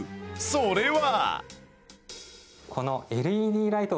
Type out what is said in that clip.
それは。